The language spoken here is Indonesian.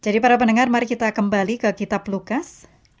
jadi para pendengar mari kita kembali ke kitab lukas